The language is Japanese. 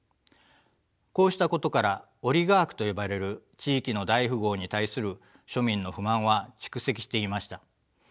こうしたことからオリガークと呼ばれる地域の大富豪に対する庶民の不満は蓄積していました。